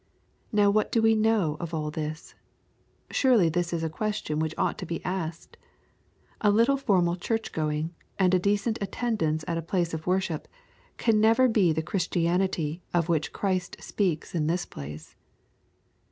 Now what do we know of all this ? Surely this is a question which ought to be asked. A little formal church going, and a decent attendance at a place of worship, can never be the Christianity of which Christ speaks in this place.